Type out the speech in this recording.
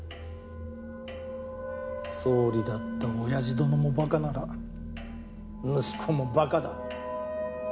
総理だった親父殿もバカなら息子もバカだ。